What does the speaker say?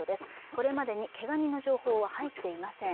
これまでにけが人の情報は入っていません。